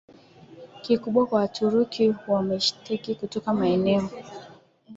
kikubwa kwa Waturuki wa Meskhetian kutoka maeneo